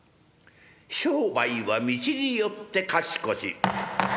商売は道によって賢し。